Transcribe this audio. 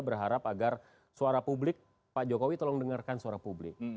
berharap agar suara publik pak jokowi tolong dengarkan suara publik